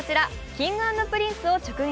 Ｋｉｎｇ＆Ｐｒｉｎｃｅを直撃。